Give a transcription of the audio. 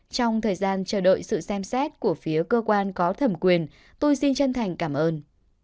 trong thời gian chờ đợi sự xem xét của phía cơ quan có thẩm quyền tôi xin chân thành cảm ơn